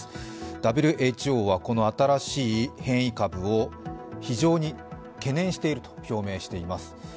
ＷＨＯはこの新しい変異株を非常に懸念していると表明しています。